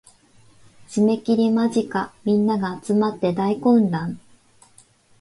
締切間近皆が集って大混乱